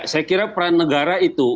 saya kira peran negara itu